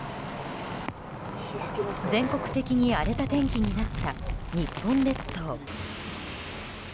全国的に荒れた天気になった日本列島。